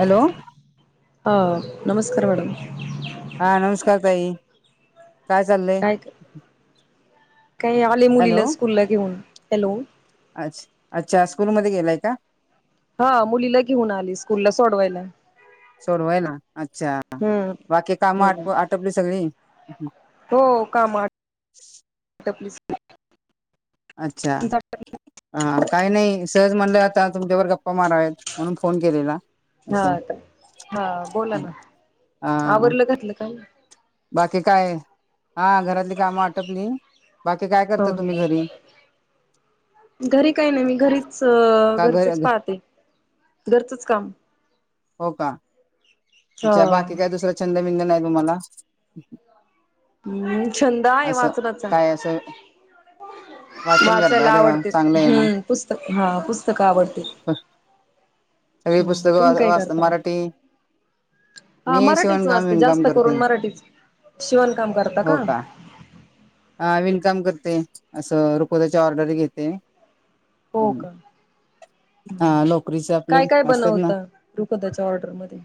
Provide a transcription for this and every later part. Hello ह नमस्कार madam हा नमस्कार ताई काय चाललंय काही आले मुलीला स्कूलला घेऊन हॅलो अच्छा अच्छा स्कूलमध्येध्ये गेलाय का हा मुलीला घेऊन आली स्कूलला सोडवायला सोडवायला अच्छा हम्म बाकी काम हम्म आट आटपली सगळी हो कामा प्लीज अच्छा हा काही नाही सहज म्हणलं आता तुमच्यावर गप्पा मारावेत म्हणून फोन केलेला असं हाता हा बोला ना हा आवरवरलं घातलं काय बाकी काय हा घरातली कामं आटपली बाकी काय हो करता तुम्ही घरी घरी काही नाही मी घरीच का घ घरचच पाहते घरचच काम हो का हा अच्छा बाकी काही दुसरा छंद बिंद नाही तुम्हाला हम्म छंद आहे असं वाचनाचा काय असं वाचन करता वाचायला अरे वा आवडते. चांगलं आहे ना हम्म पुस्तक हा पुस्तक आवडते. सगळी हम्म, पुस्तकं वा तुम्ही काय वाचता करताय? मराठी हा मी मराठीच शिवणकाम वाचते. विणकाम जास्त करते करून मराठीच. शिवणकाम करता का? हा विणकाम करते. असंरुकोद्याची ऑर्डर घेते. हो का लोकरीचे आपले असतात ना बनवता रुपदाच्या ऑर्डर मध्ये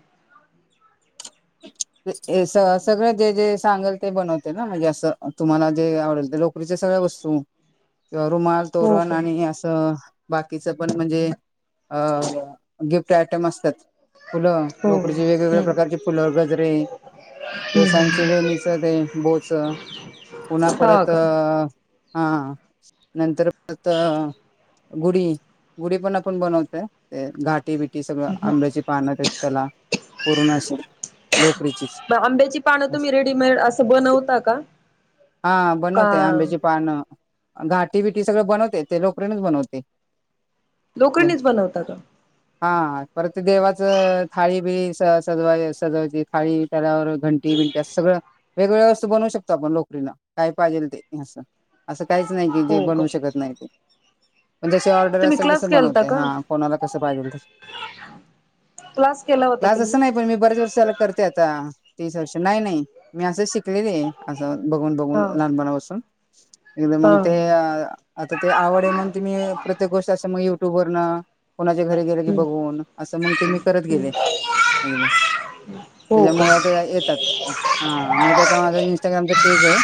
[unintelligible] स सगळं जे जे सांगल ते बनवते ना? म्हणजे असं तुम्हाला जे आवडेल ते लोकरीचे सगळे वस्तू किंवा रुमाल, हो तोरण का आणि असं बाकीचं पण म्हणजे अ गिफ्ट आयटम असतात. फुलं, हो हो लोकडीचे वेगवेगळ्या हम् प्रकारचे फुलं, गजरे हम् केसांची हम् वेणीचं ते बोच पुन्हा हा परत अ का हा नंतर [unintelligible] गुढी गुढी पण आपण बनवतोय ते घाट बिटी सगळं मग आंब्याची पानं, त्याला पूर्ण अशी लोकरीचीच मग आंब्याची पानं तुम्ही रेडीमेड असं बनवता का? हा का बनवते आंब्याची पानं. घाटी बिटी सगळं बनवते. ते लोकरनच बनवते. लोकणीच बनवता का? हा परत ते देवाचं थाळी बिळी स सजवाय अस- खाळी त्यावर घंटी बंटी अस सगळं वेगळ वस्तू बनू शकतो आपण लोकरीला काय पाहिजे असं काहीच नाही की जे हो का बनवू शकत नाही ते. जशी ऑर्डर तुम्ही असेल तस क्लास केलता बनवते का हा कोणाला कसं पाहिजेल तस. क्लास केला होता क्लास अस तुम्ही नाही पण मी बऱ्याच वर्ष चल करते आता तीस वर्ष. नाही नाही मी असं शिकलेले आहे. बघून बघून हा लहानपणापासून एकदम. हा मग ते हा. आता ते आवडे म्हण ते मी प्रत्येक गोष्ट असं मग ये टुब वरण, कोणाच्या घरी गेले की ते हम्म बघून असं मग ते मी करत गेले. हम्म एकदा हो का त्याच्यामु ते येतात. हा मग त्याचा माझा इंस्टाग्रामचा पेज आहे.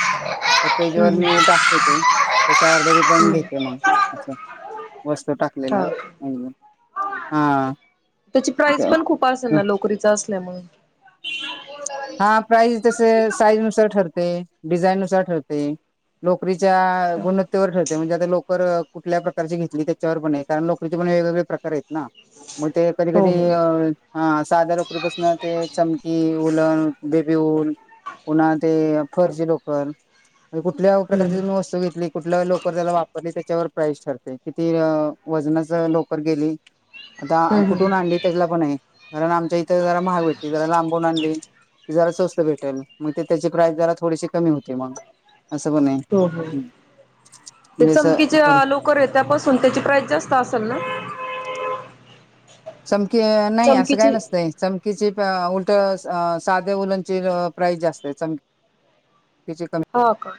त्या पेज वर हम्म मी टाकते ते. त्याच्या ऑर्डरी पण हम्म घेते मग अस वस्तू टाकलेल्या हा म्हजे, हा. त्याची प्राईज पण खूप असेल ना लोकरीचा असल्यामुळे? हा प्राईज तस साईज नुसार ठरते, डिझाईन नुसार ठरते लोकरी च्या च्या हो गुणवत्तेवर ठरते. म्हणजे आत लोकर कुठल्या प्रकारची घेतली त्याच्यावर पण आहे, कारण लोकरीचे पण वेगवेगळे प्रकार आहेत ना. मग ते कधी हो कधी हम्म साध लोकरीपासन ते चमकी बेपीऊल, पुन्हा ते फर ची लोकर म्ह कुठल्या प्रकारची तुम्ही वस्तू घेतली? कुठल्या लोकर त्याला वापरली त्याच्यावर प्राईस ठरते. किती वजनाच लोकर गेली आता हम्म हम्म कुठून आणली त्याच्याला पण आहे कारण आमच्या इथं जरा महाग भेटली. जरा लांबून आणली ते जरा स्वस्त भेटेल. मग ते त्याची प्राइस जरा थोडीशी कमी होते मग. नाही. हो हो ते चमकीचे लोकर आहे त्यापासून त्याची प्राइस जास्त असेल ना? चमकी, नाही असं काय चमकीची नसतंय चमकीची उलट साध्या उलनची प्राईस जास्त आहे. चम हो का!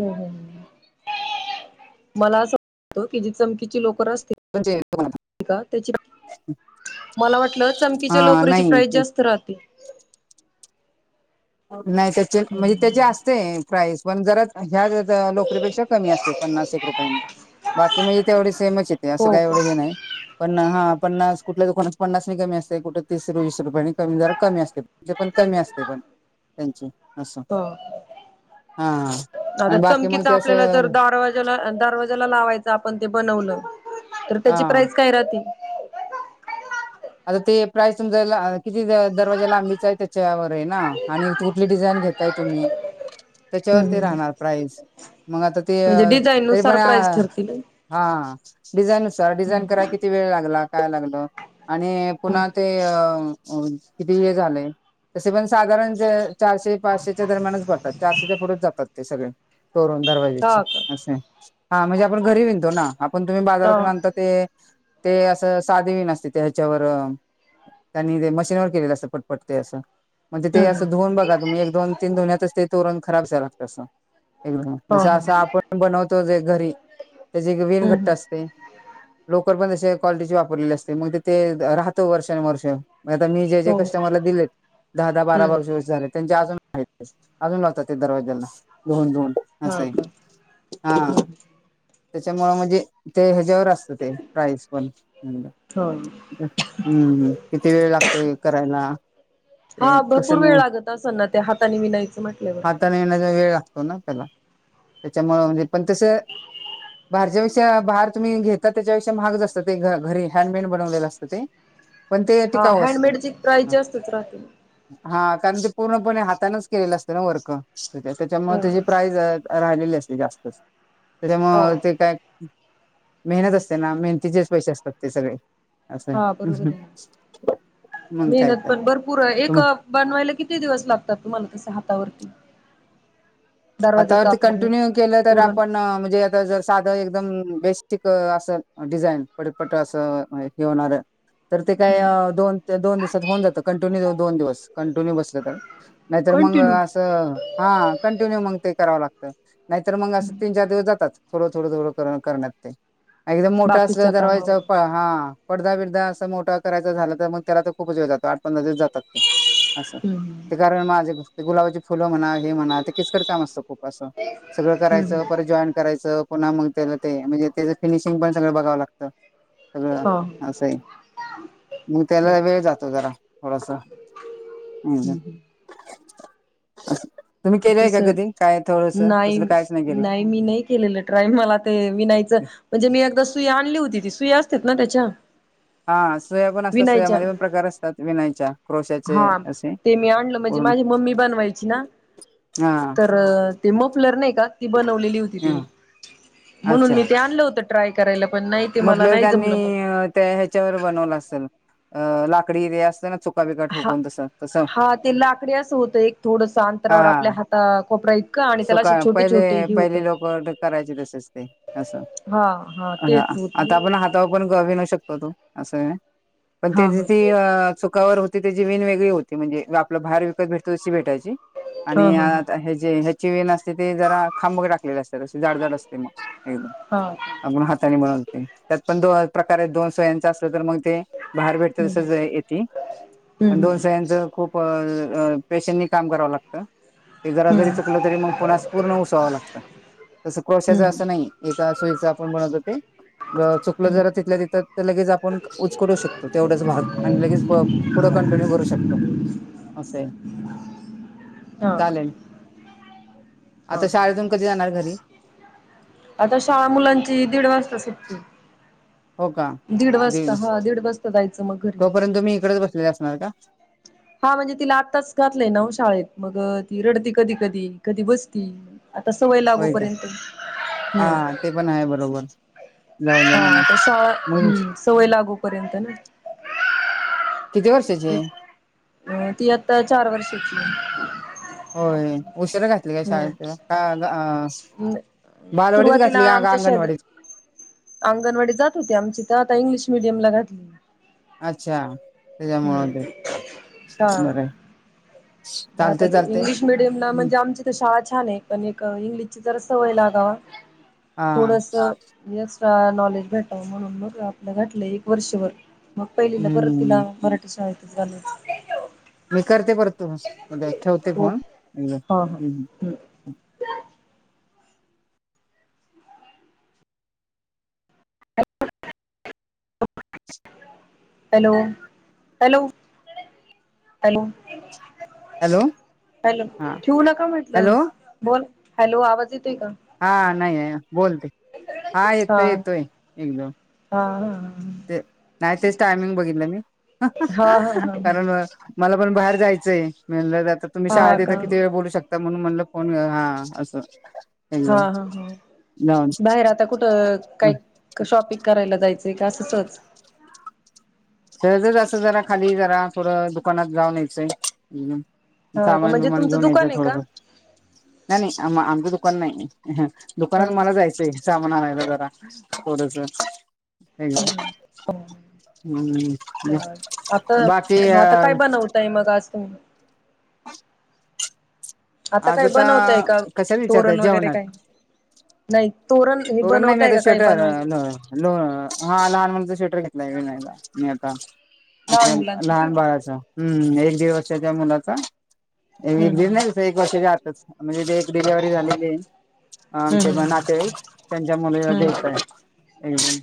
हम हम हम मला असं वाटत कि जी चमकीची लोकर अस [unintelligible] मला वाटलं चमकीच्या हा लोकरीची नाही प्राइस जास्त राहते. नाही त्याचे म्हणजे त्याचे असते प्राईज.. पण जरा ह्या नोकरीपेक्षा कमी असते पन्नास एक रुपयांनी... बाकी म्हणजे तेवढे सेमच येते असं हो काही एवढं का हे नाही पण हा.. पन्नास कुठल्या दुकानात पन्नास कमी असते कुठ तीस वीस रुपयां कमी जरा कमी असते पण कमी असते पण... त्यांची असं.. ह हा आता आणि बाकी मग चमकीच ते आपल्याला जर असं दारवाज्याला दरवाज्याला लावायच आपण ते बनवलं... तर त्याची हा. प्राइस काय राहते.. आता ते प्राईस तुमचा किती दरवाजा लांबीचा आहे त्याच्यावर... कुठली डिझाईन घेताय तुम्ही त्याच्यावरती राहणार म्हणजे प्राईज... मग आता ते डिझाईन तरी पण नुसार प्राइस अ.. ठरतील हा डिझाईन नुसार डिझाईन करायला किती वेळ लागला काय लागल... आणि पुन्हा ते हा अ किती हे झालंय तसे पण साधारण ज... चारशे पाचशेच्या दरम्यानच भरतात चारशेच्या पुढेच जातात ते सगळे... तोरण दरवाजेची का असे हा म्हणजे आपण घरी विणतो ना... आपण तुम्ही बाजारातून तर आणता ते ते असं साधी विण असते. त्याच्यावर त्यांनी ते मशीनवर केलेलं अस पटपटते असं. म्हणजे ते हम् असं धुवून बघा तुम्ही एक दोन तीन धुन्यातच ते तोरण खराब झाला तसं.. एकदम हम हो हो म्ह असं हम् आपण बनवतो जे घरी त्याची एक विण घट्ट हम असते. लोकरल पण त क्वालिटीची वापरलेली असते मग ते ते राहतं वर्षानु वर्ष... म आता मी जे जे हो कस्टमरला दिलेत दहा दहा बारा हम्म बाारे वर्ष झाले.. त्यांचे अजून मा अजून लावतात ते दरवाज्याला धुवून धुवून. हा असं का आहे हा हम् ह त्याच्यामुळं म्हणजे ते ह्याच्यावर असतं ते प्राईस पण म्ह हो हम्म किती वेळ लागतोय करायला. ते हा तुस भरपूर वेळ म लागत असेल ना ते हाताने विनायचं म्हटल्यावर हाताने विणायला वेळ लागतो.. त्याला त्याच्यामुळे म्हणजे पण तस... बाहेरच्यापेक्षा बाहेर तुम्ही घेता त्याच्याविषयी महाग असतं ते घरी हँडमेन बनवलेलं असतं ते... पण ते हा टिकाऊ असत. हँडमेडची प्राईज जास्तच राहते हो हा कारण ते पूर्णपणे हातानच केलेलं असतं ना वर्क... त्याच्यामुळे त्याची प्राईज राहिलेली असते जास्तच हो त्याच्यामुळे ते काय.... मेहनत असते ना मेहनतीचेच पैसे असतात ते सगळे.... असं हा बरोबर आहे ना मग काय मेहनत तर.... पण भरपूर एक बनवायला किती दिवस लागतात तुम्हाला तस हातावरती.... आता दरवाज्याच ते आपलं हे कंटिन्यू केलं तर तोरण आपण म्हणजे आता जर साधं एकदम... बेस्टिक असं डिझाईन पटपट असं हे होणार... तर ते काय दोन दोन दिवसात होऊन जातं कंटिन्यू दोन दिवस कंटिन्यू बसले तर.... नाहीतर मग कंटिन्यू असं हा... कंटिन्यू मग ते करावं लागत नाहीतर मग असं तीन चार दिवस जातात थोडं थोडं थोडं करण्यात ते.... एकदम मोठं बाकीच असलं दरवाज कामावरून पहा हा... पडदा बिडदा असं मोठा करायचा झाला तर मग त्याला तर खूप वळ जातो आठ पंधरा दिवस जातात... हम्म ण माझे गुलाबाची फुलं म्हणा... हेच तर काम असत खूप असं सगळं हम्म करायचं हम्म परत जॉईन करायचं... पुन्हा मग त्या ते म्हणजे त्याचं फिनिशिंग पण सगळ बघावं लागतं. हा असं आहे. मग त्याला वेळ जातो जरा थोडासा... हम्म हम तुम्ही केलंय का कधी काय? थोडस नाही तसलं कायच केले नाही मी नाही केलेलं ट्राय मला ते विनायच म्हणजे मी एकदा... आणली होती ती सुई असते ना त्याच्या... हा सुया पण असतात विनायच्या सुयामध्ये पण प्रकार असतात विनायच्या... क्रोशाचे हा असे ते मी आणल म्हणजे पूर्ण माझी मम्मी बनवायची ना हा तर ते मोपलर नाही का ती बनवलेली होती ह तिने म्हणून मी ते आणलं होतं ट्राय करायला पण नाही ते मला म्हटलं नाही त्यांनी जमलं मग त्या ह्याच्यावर बनवलं असेल लाकडी ते असत ना च ढोकळा बिकळा हा ठोकुन तस तस हा ते लाकडी असं होतं एक थोडस अंतरावर आपल्या हा हाता कोपरा इतकं आणि त्याला सुख असे छोटे पहिले छोटे हे होत पहिली लोक करायचे तसेच ते अस हा हा तेच होत आता आपण हातावर पण गवी न शकतो. असं आहे पण हा त्याची हा ती चुक कवर होती त्याची विण वगळी होती म्हणजे आपलं बाहेर विकत भेटतो तशी भेटायची. हा आणि हा हा आता हे जे ह्याची विण असते ते जरा खांबग टाकलेले असते त जाडजड असते मग एकम हा आपण हाताने बनवते त्यात पण दो प्रकारे दोन सुयांचं असलं तर मग ते बाहेर भेटत हम्म तसंच येते हम्म पण दोन हम्म. सुयांच खूप प पेशंटनी काम करावं लागतं ते जरा जरी हम्म चुकलं तरी मग पुन्हा स पूर्ण उसावावं लागतं तसं कोळशाचं हम्म असं नाही येत त्या सुईच आपण बनवलत ते चुकलं हम्म जरा तिथल्या येतात तर लगेच आपण उचकडू शकतो तेवढंच भाग आणि लगेच पुढं कंटिन्यू करू शकतो असय हा का चालेल हा आता शाळेतून कधी जाणार घरी आता शाळा मुलांची दीड वाजता सुट्टी हो का दीड वाजता देईल हा दीड वाजता जायचं मग घरी तोपर्यंत तुम्ही इकडेच बसलेले असणार का हा म्हणजे तिला आत्ताच घातलंय नावो शाळेत मग ती रडती कधी कधी कधी बसती. आता सवय होय का लागूपर्यंत हम्म हा ते पण आहे बरोबर जाऊ द्या हा मग त स मग हम्म सवय लागू पर्यंत ना किती वर्षाची ती आहे अ ती आता चार वर्षाची आहे. होय उशीरा घातले काय आहे. शाळेत तिला हम्म बालवाडीच सुरुवातीला घातली का आमच्या शेजा अंगणवाडीत अंगणवाडी जात होती आमची त आता इंग्लिश मिडियम ला घातली. अच्छा त्याच्यामुळे हम्म ते बरय ह ते इंग्लिश मिडियम ला म्हणजे आमची ती शाळा ह छान आहे पण एक इंग्लिश जरा सवय लागावा हा थोडस अ नॉलेज भेटाव म्हणून मग आपलं घटलं एक वर्षभर मग पहिल परत तिला हम्म मराठी शाळेत घालायचं मी करते परत तुम्हास म्हणजे ठेवते फोन हम् hello hello hello hello hello हा ठेऊ नका म्हटलं हॅलो बोल हॅलो आवाज येतोय का हा नाही आहे बोलते हा येतोय येतोय एक दोन हा हा ते मॅचेस टायमिंग बघितलं मी हा हा हा हा हा कारण मला पण बाहेर जायचं म्हणल आता तुम्ही हा का शाळेते किती वेळ बोलू शकता. म्हणून म्हणला फोन हा असं हा एकदम हा हो जाऊन बाहेर आता कुठं काय शॉपिंग करायला जायचं. ते का अस सहज ते जर अस जरा खाली जरा थोडं दुकानात जाऊ न यायचं हा का सामान म्हणजे बिमान तुमचं घेऊन यायचं दुकान आहे थोडं का थोडं नाही नाही आ आमचं दुकान नाही ह हा दुकानात मला जायचंय सामान आणायला जरा थोडंस काय हम्म ग आता आता काय अ बनवताय मग आज तुम्ही आता काय बनवताय का कशाला विचारताय तोरण वगैरे काही नाही तोरण हे करण नाही मी बनवताय आता का काही श्वेटर बनवाय ल हा लहान म्हणच श्वेटर आता लहान आप मुलांचं का लहान हम्म बाळाचा एक दिवस मु हम्म वर्षात म्हणजे डिलेव्हरी झालेली हम्म आमचे हम्म नाते त्यांच्या मुलीला देत हम्म आहेत एकदम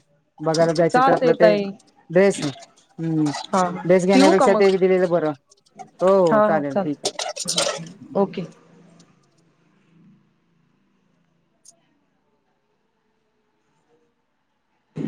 बघायला जायचं तर आपलं चालतय ते ताई बेस हम्म हा हा बेस ठेवू का घण्यापेक्षा मग ते हग दिले बरो हो हा हा चालेल चाल ठीक आहे ओके